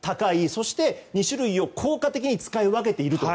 そして、２種類を効果的に使い分けていると。